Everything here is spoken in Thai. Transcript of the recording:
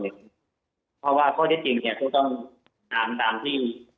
เพราะว่าข้อที่จริงเนี่ยเขาต้องถามตามที่